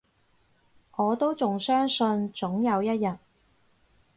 我都仲相信，總有一日